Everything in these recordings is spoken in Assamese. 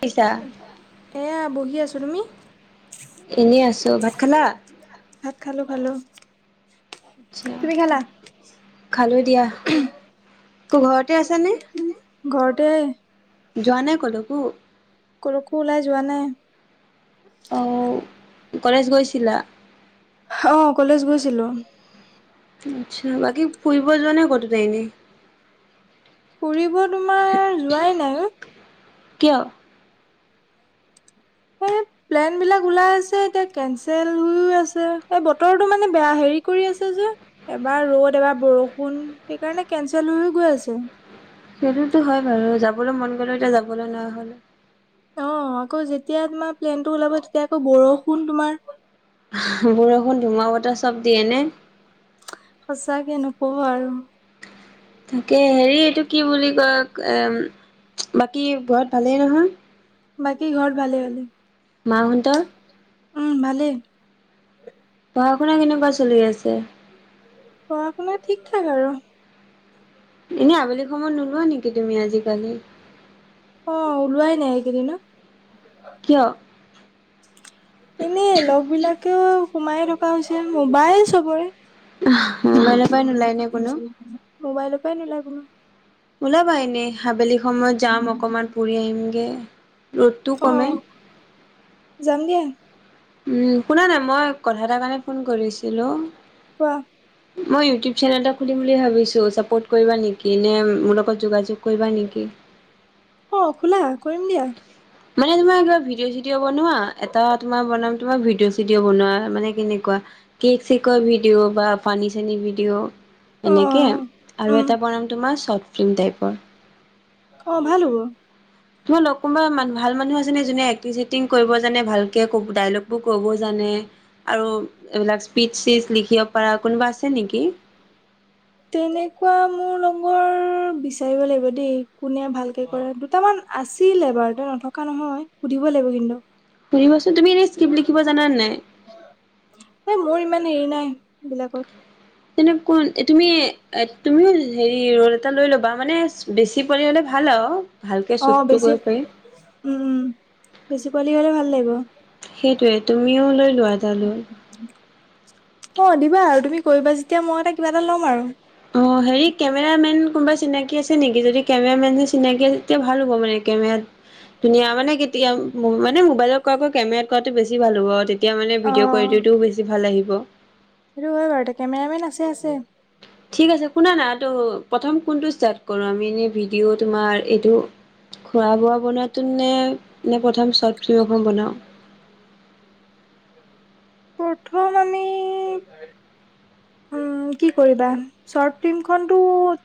পিছা এয়া বহি আছো তুমি? এনেই আছো, ভাত খালা? ভাত খালো খালো। আচ্ছা তুমি খালা? খালো দিয়া কো ঘৰতে আছ নে? ঘৰতে যোৱা নাই কলৈকো কলৈকো ওলাই যোৱা নাই। অ কলেজ গৈছিলা? অ কলেজ গৈছিলোঁ। আচ্ছা বাকী ফুৰিব যোৱা নাই কতোৱে এনেই ফুৰিব তোমাৰ যোৱাই নাই অ। কিয় এই [unintelligible] প্লেন বিলাক ওলাই আছে এতিয়া কেন্সেল হৈয়ও আছে এই বতৰটো মানে বেয়া হেৰি কৰি আছে যে এবাৰ ৰ'দ এবাৰ বৰষুণ সেইকাৰণে কেন্সেল হৈ হৈ গৈ আছে। সেইটোতো হয় বাৰু যাবলৈ মন গ'লো এতিয়া যাবলৈ নোৱাৰা হ'লো অ আকৌ যেতিয়া তোমাৰ প্লেনটো ওলাব তেতিয়া আকৌ বৰষুণ তোমাৰ বৰষুণ ধুমুহা বতাহ চব দিয়ে নে সঁচাকে নকব আৰু তাকে হেৰি এইটো কি বুলি কয় বাকী ঘৰত ভালেই নহয় বাকী ঘৰ ভালে ভালে। মাহঁতৰ উম ভালেই। পঢ়া-শুনা কেনেকুৱা চলি আছে? পঢ়া-শুনা ঠিক ঠাক আৰু। এনেই আবেলি সময়ত নোলোৱা নেকি তুমি আজি-কালি অ ওলোৱাই নাই এইকেইদিন ন কিয় এনে লগ বিলাকেও সোমাই থকা হৈছে মোবাইল চবৰে আহ মোবাইল পৰাই নোলায় নে কোনো মোবাইল পৰাই নোলাই কোনো উলাবা এনে আবেলি সময়ত যাম অকমান ফুৰি আহিমগে ৰ'দটো অ কমে। যাম দিয়া। উম শুনা না মই কথা এটা কাৰণে ফোন কৰিছিলোঁ। কোৱা মই ইউটিউব চেনেল এটা খুলিম বুলি ভাবিছোঁ ছাপৰ্ট কৰিবা নেকি নে মোৰ লগত যোগাযোগ কৰিবা নেকি? অ খোলা কৰিম দিয়া। মানে তোমাৰ এটা ভিডিঅ' চিডিঅ বনোৱা এটা তোমাৰ বনাম তোমাৰ ভিডিঅ চিডিঅ' বনোৱা মানে কেনেকুৱা কেক চেকৰ ভিডিঅ' বা পানী চানী ভিডিঅ' অ এনেকে আৰু উম এটা বনাম তোমাৰ শ্বৰ্ট ফিল্ম টাইপৰ অ ভাল হ'ব। তোমাৰ লগ কোনোবা ভাল মানুহ আছে নে যোনে এক্টিং চেটিং কৰিব জানে ভালকে কব ডাইলগ বোৰ ক'ব জানে আৰু এইবিলাক স্পীচ চিচ লিখিব পৰা কোনোবা আছে নেকি? তেনেকুৱা মোৰ লগৰ বিচাৰিব লাগিব দেই কোনে ভালকে কৰে দুটামান আছিলে বাৰু তে নথকা নহয় সুধিব লাগিব কিন্তু সুধিবচোন তুমি এনেই স্কিপ লিখিব জানানে নাই এই মোৰ ইমান হেৰি নাই হেইবিলাকৰ তেনে কোন তুমি এ তুমিও হেৰি ৰ'লএটা লৈ ল'বা মানে বেছি শিকিবলে হ'লে ভাল আৰু। ভালকে অ চুটটো বেছি কৰিব পাৰি উম উম বেছি পোৱালি হ'লে ভাল লাগিব। সেইটোৱে তুমিও লৈ লোৱা এটা ৰ'ল অ দিবা আৰু তুমি কৰিবা যেতিয়া মই এটা কিবা এটা ল'ম আৰু অ হেৰি কেমেৰামেন কোনোবা চিনাকি আছে নেকি যদি কেমেৰামেন যে চিনাকি আছে তেতিয়া ভাল হ'ব মানে কেমেৰাত ধুনীয়া মানে কেতিয়া মানে মোবাইলত কৰা কেমেৰাত কৰাটো বেছি ভাল হ'ব তেতিয়া মানে অ ভিডিঅ' কোৱালিটিটোও বেছি ভাল আহিব এইটো হয় বাৰু ঘৰতে কেমেৰামেন আছে আছে ঠিক আছে শুনা নাই তো প্ৰথম কোনটো ষ্টাৰ্ট কৰোঁ আমি এনেই ভিডিঅ' তোমাৰ এইটো খোৱা বোৱা বনোৱাতোত নে নে প্ৰথম চৰ্ট ফিল্ম এখন বনাওঁ প্ৰথম আমি উম কি কৰিবা শৰ্ট ফিল্মখনতো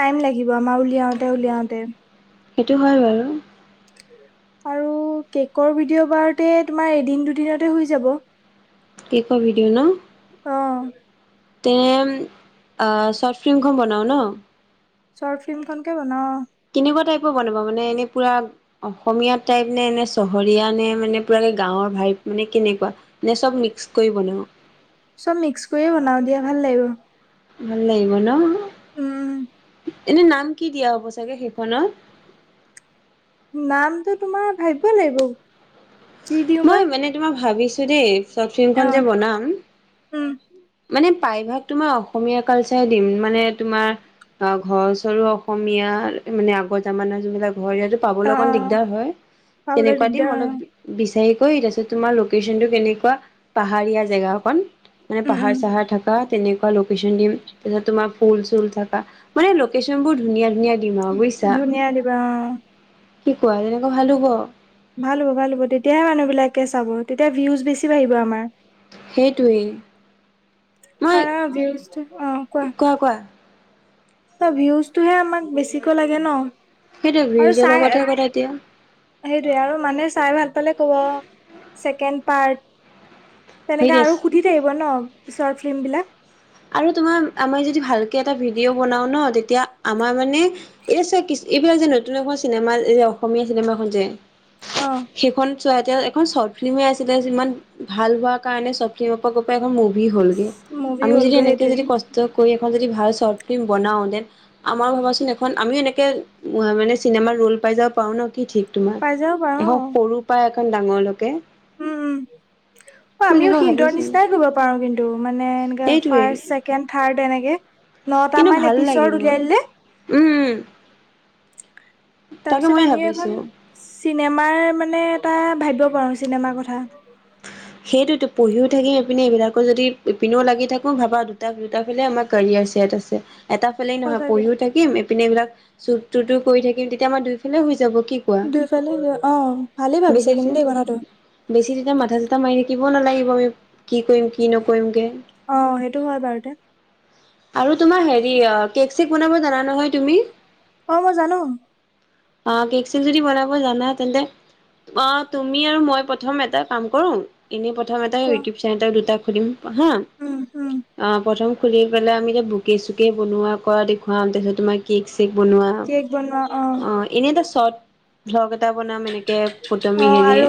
টাইম লাগিব আমাৰ উলিয়াওতে উলিয়াওতে সেইটো হয় বাৰু আৰু কেকৰ ভিডিঅ' বাৰতে তোমাৰ এদিন দুদিনতে হৈ যাব কে ক' ভিডিঅ ন অ তে চৰ্ট ফিল্ম খন বনাওঁ ন চৰ্ট ফিল্মখনকে বনাওঁ কেনেকুৱা টাইপৰ বনাবা মানে এনেই পুৰা অসমীয়া টাইপ নে এনে চহৰীয়া নে মানে পুৰা গাঁৱৰ ভাই মানে কেনেকুৱা নে চব মিক্স কৰি বনাওঁ চব মিক্স কৰিয়ে বনাও দিয়া ভাল লাগিব ভাল লাগিব ন উম এনে নাম কি দিয়া হ'ব চাগে সেইখনত নামটো তোমাৰ ভাবিব লাগিব কি দিওঁ বা মই মানে তোমাৰ ভাবিছো দেই চট অ ফিল্মখন যে বনাম উম মানে প্ৰাইভাগ তোমাৰ অসমীয়া কালচাৰ দিম মানে তোমাৰ অ ঘৰ চৰ অসমীয়া মানে আগৰ জামানা যোনবিলাক ঘৰ ই অ পাবলৈ অকণ অ দিগদাৰ হয় পাবলৈ তেনেকুৱা দিম দিগদাৰ হয় অলপ বিচাৰিকৈ তাৰিছত তোমাৰ লোকেশ্যনটো কেনেকুৱা পাহাৰীয়া জেগা অকন মানে উম পাহাৰ উম চাহাৰ থাকে তেনেকুৱা লোকেশন দিম তাৰ পিছত তোমাৰ ফুল চুল থাকা মানে লোকেশন বোৰ ধুনীয়া ধুনীয়া দিমা বুজিছা ধুনীয়া দিবা অ', কি কোৱা এনেকে ভাল হব ভাল হ'ব ভাল হ'ব তেতিয়াহে মানুহবিলাকে চাব তেতিয়া ভিউজ বেছি বাঢ়িব আমাৰ সেইটোৱেই কাৰ অ ভিওজটো অ কোৱা অ কোৱা ত ভিউজটোহে আমাক বেছিকৈ লাগে ন সেইটোয়ে আৰু ভিউজৰ চাই লগতহে কথা এতিয়া সেইটোৱে আৰু মানে চাই ভাল পালে কব চেকেণ্ড পাৰ্ট তেনেকে সেইটোৱে আৰু সুধি থাকিব ন পিছৰ ফিল্ম বিলাক আৰু তোমাৰ আমি যদি ভালকে এটা ভিডিঅ' বনাওঁ ন তেতিয়া আমাৰ মানে এইয়া চা এইবিলাক যে নতুন এখন চিনেমা যে অসমীয়া চিনেমাখন যে অঁ সেইখন চহতে এখন চৰ্ট ফিল্মেই আছিলে যিমান, ভাল হোৱাৰ কাৰণে শৰ্ত ফ্লিমৰ পৰা গৈ পাই এখন মুভি হ'লগৈ। মুভি আমি যদি হ'লগৈ এনেকৈ সেইটোৱে যদি কষ্ট কৰি এখন যদি ভাল শৰ্ট ফিল্ম বনাওঁ দেন- আমাৰ ভাবাচোন এখন আমিও এনেকে মানে চিনেমাৰ ৰোল পাই যাব পাৰো ন কি ঠিক। তোমাৰ, পাই যাব পাৰো এখন অ', সৰু পাই এখন ডাঙৰলৈকে। উম উম। অ মই আমিও এনেকুৱা সিহতৰ ভাবিছো নিচিনাই কৰিব পাৰো কিন্তু মানে এনে সেইটোৱেই ফাৰ্চ- ছেকেণ্ড, থাৰ্ড এনেকে নটা কিন্তু মান ভাল লাগিব এপিছদ উলিয়াই দিলে। উম। তাকে তাৰপিছত মই আমিও এখন, ভাবিছো চিনেমাৰ মানে এটা ভাবিব পাৰো চিনেমাৰ কথা। [inaudible] সেইটোত পঢ়িও থাকিম, ইপিনে এইবিলাকো যদি ইপিনেও লাগি থাকোঁ ভাবা দুটা দুটাফালে আমাৰ কেৰিয়াৰ ছেট আছে। এটা- ফালে নহয়, সঁচাকে। পঢ়িও থাকম, এপিনে এইবিলাক শ্বুট টুততো কৰি থাকিম, তেতিয়া আমাৰ দুইফালে হৈ যাব কি- কোৱা? দুইফালে অ, ভালেই ভাবিছা বেছি কিন্তু দেই কথাটো। বেছি তেতিয়া মাথা চিথা মাৰি থাকিব নালাগিব আমি কি কৰিম কি নকৰিমকে। অ সেইটো হয় বাৰু দে। আৰু তোমাৰ হেৰি অ কেক চেক বনাব জানা নহয় তুমি? অ মই জানো। অ কেক যদি বনাব জানা তেন্তে, অ তুমি আৰু মই প্ৰথম এটা কাম কৰো, এনেই প্ৰথম এটা কোৱা ইউটিউব চেনেলৰ দুটা খুলিম হা। উম হুম। অ প্ৰথম খুলি পেলাই আমি এতিয়া বুকে চুকে বনোৱা কৰা দেখুৱাম, তাৰপিছত তোমাৰ কেক- বনোৱা। কেক বনোৱা অ এনেইটো শ্বৰ্ট ভ্লগ এটা বনাম এনেকে। অ ফটোমি হেৰি আৰু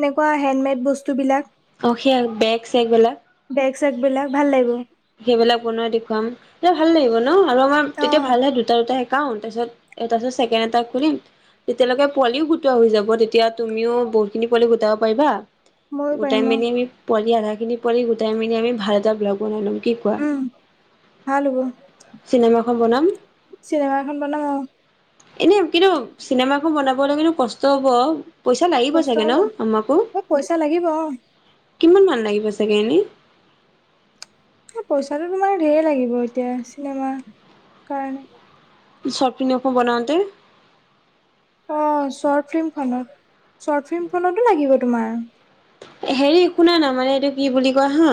এনেকুৱা হেণ্ডমেড বস্তু বিলাক, অ সেইয়া বেগ চেগ বিলাক। বেগ চেগ বিলাক ভাল লাগিব। সেইবিলাক বনোৱাই দেখুৱাম, এয়া ভাল লাগিব ন আৰু আমাৰ তেতিয়া ভাল হে- এটা একাউণ্ট, তাৰপিছত তাৰপাছত ছেকেড এটা খুলিম। তেতিয়ালৈকে পোৱালীও গোটোৱা হৈ যাব। তেতিয়া তুমিও বহুত খিনি পোৱালি গোটাব পাৰিবা। ময়ো গোটাই পাৰিম অ মিনি আমি পোৱালি আধাখিনি পোৱালি গোটাই মিনি আমি ভাল এটা ব্লগ বনাই লম কি- কোৱা? উম ভাল হ'ব চিনেমাখন বনাম। চিনেমা এখন বনাম অ এনে কিন্তু চিনেমাখন বনাবলৈ কিন্তু কষ্ট হ'ব। পইচা লাগিব কষ্ট চাগে ন হ'ব আমাকো? অ পইচা লাগিব অ কিমান মান লাগিব চাগে এনেই? পইচাটো তোমাৰ ধেৰ লাগিব এতিয়া চিনেমাৰ কাৰণে। শ্বৰ্ট ফ্লিম এখন বনাওঁতে। অ শ্বৰ্ট ফিল্মখনত। শ্বৰ্ট ফিল্মখনতো লাগিব তোমাৰ। হেৰি শুনা না মানে এইটো কি বুলি কয় হা,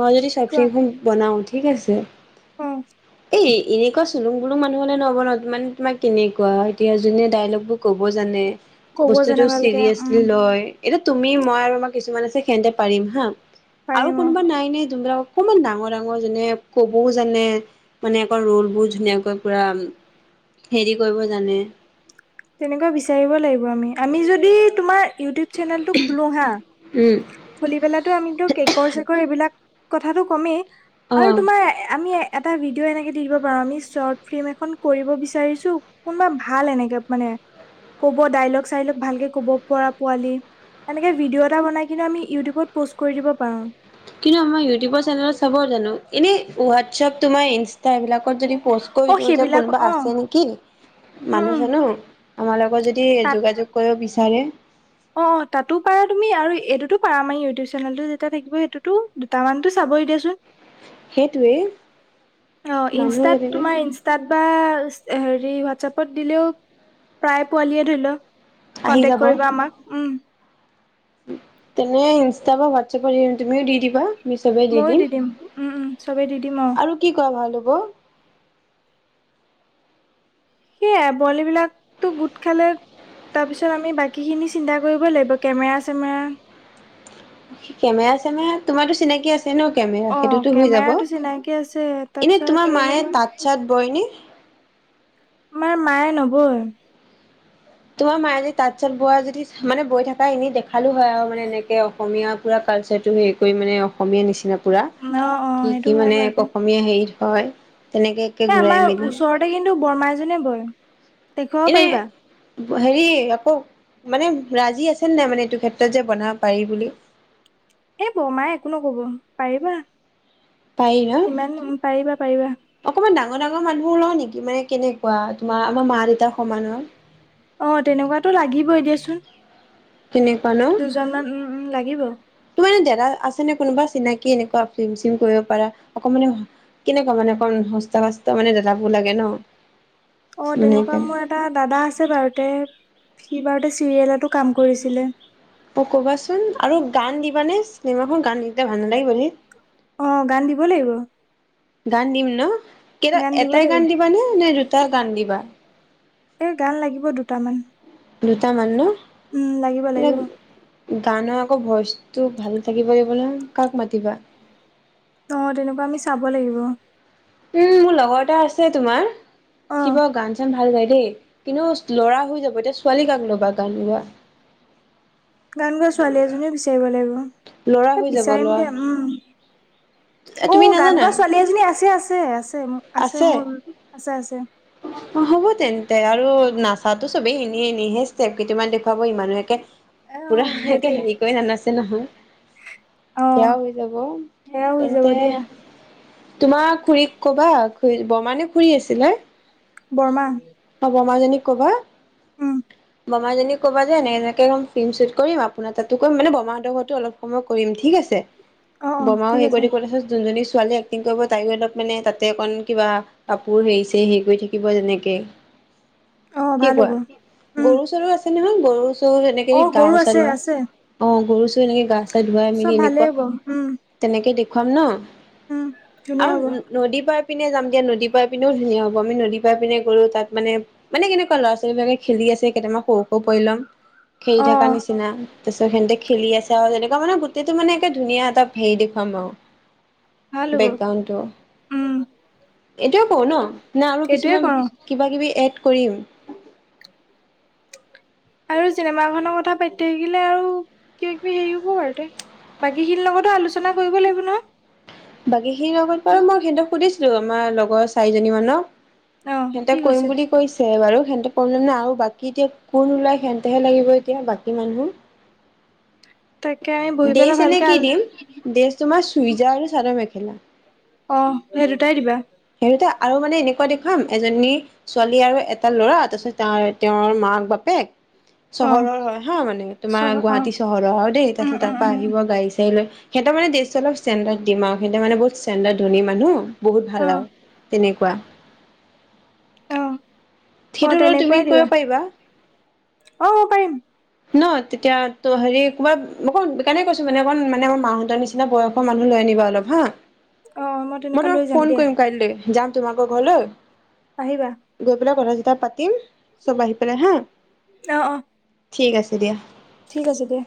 মই যদি শ্বৰ্ট ফ্লিম খন বনাওঁ ঠিক আছে, উম। এই এনেকুৱা চুলুং পুলুং মানুহ হলে নহব নহয়, মানে তোমাক কেনেকুৱা হয় এতিয়া যোনে ডাইলগ বোৰ ক'ব জানে। ক'ব বস্তুটো জানে ভালকে উম চিৰিয়াচলি লয়। এতিয়া তুমি মই আৰু আমাৰ কিছুমান আছে সেহঁতে পাৰিম হা। আৰু পাৰিম অ কোনোবা নাই নে যোনবিলাক- অকণমান ডাঙৰ ডাঙৰ যেনে কবও জানে। মানে আকৌ ৰোলবোৰ ধুনীয়াকৈ পুৰা হেৰি কৰিব জানে। তেনেকুৱা বিচাৰিব লাগিব আমি। আমি যদি তোমাৰ ইউটিউব চেনেলটো খোলো হা উম [unintelligible] খুলি পেলাতো আমিতো কেকৰ-চেকৰ এইবিলাক কথাটো কমেই অ আৰু তোমাৰ আমি এ [unintelligible] এটা ভিডিঅ' এনেকৈ দি দিব পাৰোঁ আমি শ্বৰ্ট ফিল্ম এখন কৰিব বিচাৰিছোঁ কোনোবা ভাল এনেকৈ [unintelligible] মানে [unintelligible] কব ডাইলগ-চাইলগ ভালকে ক'ব পৰা পোৱালি। এনেকে ভিডিঅ' এটা বনাই কিন্তু আমি ইউটিউবত প'ষ্ট কৰি দিব পাৰোঁ। [unintelligible] কিন্তু আমাক ইউটিউবৰ চেনেলত চাব জানো? এনেই হোৱাটছএপ তোমাৰ ইন [unintelligible] [unintelligible] এইবিলাকত যদি পষ্ট অ কৰি দিওঁ যে সেইবিলাক কোনোবা অ আছে নেকি উম মানুহ উম চানো। আমাৰ লগত যদি যোগাযোগ কৰিব বিচাৰে? [unintelligible] অঁ-অঁ, তাতো পাৰা তুমি আৰু এইটোতো পাৰা আমাৰ ইউটিউব চেনেলটো যেতিয়া থাকিব সেইটোতো দুটামানতো চাব‌ই দিয়া চোন। [unintelligible] সেইটোৱেই। [unintelligible] অঁ! মানুহ ইনষ্টাত যেনেকে তোমাৰ ইন [unintelligible] ইনষ্টাত বা হেৰি হোৱাটচএপত দিলেও প্ৰায় পোৱালিয়ে ধৰি ল [unintelligible] আহি কণ্টেক্ট যাব কৰিব আমাক উম! [unintelligible] তেনে ইনষ্টা বা হোৱাটছএপৰ [unintelligible] দি তুমিও দি দিবা? ময়ো দি দিম, উম-উম, চবেই দি দিম আৰু। [inaudible] কি কৰা ভাল হ'ব? [unintelligible] সেয়াই পোৱালিবিলাকতো গোট খালে [inaudible] তাৰপিছত আমি বাকীখিনি চিন্তা কৰিব লাগিব কেমেৰা-চেমেৰা। [unintelligible] কেমেৰা-চেমেৰা তোমাৰটো চিনাকি আছে [unintelligible] আছে ন কেমেৰা অ সেইটোতো হৈ যাব। কেমেৰাটো চিনাকি আছে এনেই তাৰপিছত তোমাৰ কৰিব মায়ে লাগিব তাঁত-চাত বয় নে? [unintelligible] আমাৰ মায়ে নবয়। [unintelligible] তোমাৰ মায়ে যদি তাঁত-চাত বোৱা যদি মানে বৈ থাকা এনেই দেখালো হয় আৰু মানে এনেকে [unintelligible] অসমীয়াাৰ পুৰা কালচাৰটো হেৰি কৰি মানে অসমীয়া নিচিনা [unintelligible] পুৰা অ অ [inaudible] কি সেইটো কি হয় মানে বাৰু অসমীয়া হেৰিত হয় তেনেকে। [unintelligible] এই আমাৰ মেলি ওচৰতে কিন্তু বৰমা এজনীয়ে বয়। [unintelligible] এনেই [unintelligible] পাৰিবা হেৰি আকৌ মানে ৰাজি আছে নাই মানে এইটো ক্ষেত্ৰত যে বনাব পাৰি বুলি? [unintelligible] এই বৰমাই একো নকব পাৰিবা। ইমান পাৰিবা-পাৰিবা। [inaudible] অকণমান ডাঙৰ-ডাঙৰ মানুহ ল‌ওঁ নেকি? মানে কেনেকুৱা তোমাৰ আমাৰ মা-দেউতাৰ সমানৰ? [unintelligible] অঁ তেনেকুৱাতো লাগিবই এ দিয়া চোন। [unintelligible] তেনেকুৱা ন? [inaudible] উম লাগিব অ তোৰ মানে দাদা আছে নে কোনোবা চিনাকি এনেকুৱা ফ্লিম-চিলিম কৰিব পাৰা [unintelligible] মানে কেনেকুৱা মানে অকণ হস্ত [unintelligible] মানে দাদাবোৰ লাগে ন? অঁ! মানে তেনেকুৱা সেইকাৰণে ম‌ই [unintelligible] এটা দাদা আছে বাৰুতে, সি বাৰুতে চিৰিয়েলতো কাম কৰিছিলে। [unintelligible] অঁ কবা চোন আৰু গান দিবানে চিনেমাখন গান নিদিলে ভাল নালাগে যে? [unintelligible] অঁ গান দিব লাগিব। [unintelligible] গান দিম ন? কেইটা দিব এটাই লাগিব গান দিবা নে, নে দুটা গান দিবা? [unintelligible] এই গান লাগিব দুটামান। [unintelligible] দুটা মান ন? [unintelligible] উম! লাগিব-লাগিব। [unintelligible] গানৰ আকৌ ভইচটো ভাল থাকিব লাগিব নহয় কাক মাতিবা? [unintelligible] অঁ, তেনেকুৱা আমি চাব লাগিব। [unintelligible] উম! মোৰ লগৰ এটা আছে তোমাৰ অ সি বৰ গান-চান ভাল গায় দেই। [unintelligible] কিন্তু ল'ৰা হৈ যাব, এতিয়া ছোৱালী কাক লবা গান গোৱা? [unintelligible] গান গোৱা ছোৱালী এজনীও বিচাৰিব লাগিব, ল'ৰা এ হৈ যাব বিচাৰিম ল'ৰা দিয়া উম। তুমি অ' গান নাজানা গোৱা ছোৱালী এজনী আছে, আছে আছে আছে মোৰ আছে আছে। হ'ব তেন্তে আৰু নাচাতো চবেই এনে এনেইহে ষ্টাফ কেইটমান দেখুৱাব ইমানুহেকে। এ অ', পুৰা সেইটোৱে একে হেৰি কৰি নানাছে নহয়। অ', সেয়া হৈ যাব সেয়াও হৈ যাব তেন্তে। দিয়া তোমাৰ খডুৰীক কবা খ বমানে খডুৰী আছিল হা? বৰৰ্মা। অ' বমাজনীক কবা। উম। বমাজনিক কবা যে এনে এনেকে কম ফিল্ম শ্বুট কৰিম আপোনাৰ তাতো কৰিম মানে বমাহতো অলপ। হব মই কৰিম ঠিক আছে, অ', অ', বমাও ঠিক সেই আছে কৰি দিব নহয়। যোনজনী ছোৱালীয়ে এক্টিং কৰিব তাই অলপ মানে তাতে অকণ কিবা। কাপোৰ হেৰি হেৰি কৰি থাকিব যেনেকে। অ', কি ভাল হ'ব কোৱা উম, গৰু চৰু আছে নহয় গৰু। এনেকে অ', গা গৰু চা আছে ধুৱাই আছে অ গৰু চো এনেকে গা চা ধুৱাই চব মেলি [unintelligible] এনেকুৱা। ভালেই হ'ব উম, তেনেকে দেখুৱাম ন, উম, ধুনীয়া আৰু। হ'ব নদী পাই পিনে যাম দিয়া, নদী পাই পিনেও ধুনীয়া হ'ব আমি নদী পাই পিনে গলোঁ তাত মানে মানে কেনেকুৱা ল'ৰা ছোৱালী বিলাকে খেলি আছে কেইটামান সৰু সৰু পোৱালী ল'ম। খেলি থাকাৰ অ', নিচিনা। তাৰিছত সিহতে খেলি আছে আৰু তেনেকুৱা মানে গোটেইটো মানে একে ধুনীয়া এটা হেৰি দেখুৱাম আৰু। ভাল হ'ব বেকগ্ৰাউণ্ডটো উম। এইটোৱে কৰো ন, না আৰু সেইটোয়ে কিছুমান কৰো কিবা কিবি এড কৰিম। আৰু চিনেমা খনৰ কথা পাতি থাকিলে আৰু কিবা কিবি হেৰি হব আৰু দে। বাকীখিনিৰ লগতো আলোচনা কৰিব লাগিব নহয়। বাকী সেই লগত বাৰু মই সিহঁতক সুধিছিলো আমাৰ লগৰ চাৰিজনী মানুক। অ', সিহঁতে কি কৰিম কৈছে বুলি কৈছে। বাৰু সেহঁতে প্ৰব্লেম নাই আৰু বাকী এতিয়া কোন ওলায় সেইতোহে লাগিব এতিয়া বাকী মানুহ। তাকে আমি বহি পেলাই ড্ৰেছ এনে ভালকে কি হল। দিম ড্ৰেছ তোমাৰ চুইজা আৰু চাদৰ মেখেলা। অ' সেই দুটাই দিবা। সেইদুটা আৰু মানে এনেকুৱা দেখুৱাম এজনী। ছোৱালী আৰু এটা ল'ৰা তাৰপিছত তেওঁৰ মাক বাপেক। অ চহৰৰ হয় হা, মানে চব তোমাৰ অ গুৱাহাটী চহৰৰ আৰু দেই উম তাৰপিছত তাৰ উম পৰা উম আহিব গাড়ী চাডী লৈ। সিহঁতৰানেষ্ট অলপ দিম আৰু সিহঁতোনে বহু ষ্টেডাৰ্ ধন মানুহ বহুত অ ভাল আৰু। তেনেকুৱা। অ অ সেইটো লৈ তুমি তেনেকুৱাই দিবা কৰিব পাৰিবা। অ পাৰিম ন, তেতিয়া ত হেৰি কোবা সেইকাৰণে কৈছো মানে অকণ মানে মোৰ মাহহঁতৰ নিচি। নিচিনা বয়সৰ মানুহ লৈ আনিবা অলপ হা। অ মই তেনেকুৱা লৈ তোমাক যাম ফোন দিয়া কৰিম কাইলৈ, যাম তোমাকৰ ঘৰলৈ। আহিবা। গৈ পেলাই কথা চটা পাতিম চব আহি পেলাই হা, অ অ ঠিক আছে দিয়া। ঠিক আছে দিয়া।